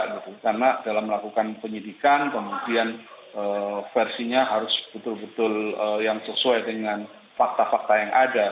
karena dalam melakukan penyidikan kemudian versinya harus betul betul yang sesuai dengan fakta fakta yang ada